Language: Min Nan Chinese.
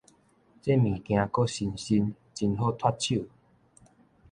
這物件閣新新，真好脫手